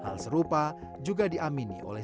hal serupa juga diamini oleh